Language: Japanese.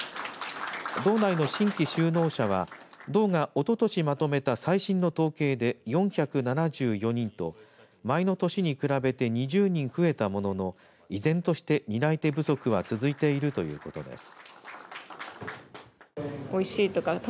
道内の新規就農者は道がおととしまとめた最新の統計で４７４人と前の年に比べて２０人増えたものの依然として担い手不足は続いているということです。